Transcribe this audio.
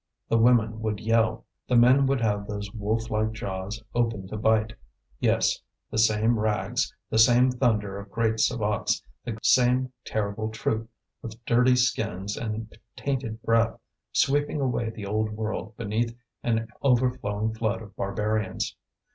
The women would yell, the men would have those wolf like jaws open to bite. Yes, the same rags, the same thunder of great sabots, the same terrible troop, with dirty skins and tainted breath, sweeping away the old world beneath an overflowing flood of barbarians.